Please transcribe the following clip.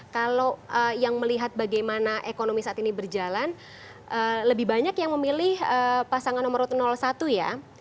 kalau yang melihat bagaimana ekonomi saat ini berjalan lebih banyak yang memilih pasangan nomor satu ya